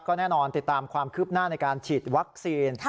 ก็แน่นอนติดตามความคืบหน้าในการฉีดวัคซีน